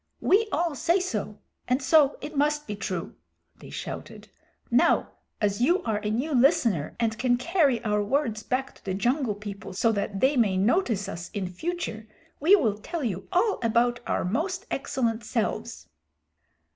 We all say so, and so it must be true," they shouted. "Now as you are a new listener and can carry our words back to the Jungle People so that they may notice us in future, we will tell you all about our most excellent selves."